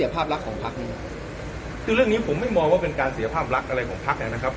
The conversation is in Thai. ภาพลักษณ์ของพักเนี่ยคือเรื่องนี้ผมไม่มองว่าเป็นการเสียภาพลักษณ์อะไรของพักนะครับ